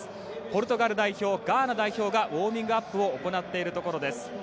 ポルトガル代表、ガーナ代表がウォーミングアップを行っているところです。